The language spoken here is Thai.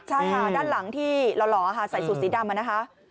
ชาหาด้านหลังที่หล่อใส่สูตรสีดำ